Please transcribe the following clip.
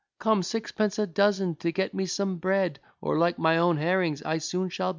Come, sixpence a dozen, to get me some bread, Or, like my own herrings, I soon shall be dead.